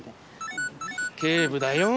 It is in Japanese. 警部だよん。